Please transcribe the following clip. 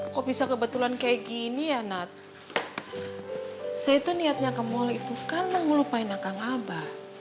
kok bisa kebetulan kayak gini ya nat saya tuh niatnya kemulitukan ngelupain akang aba